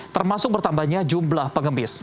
termasuk bertambahnya jumlah pengemis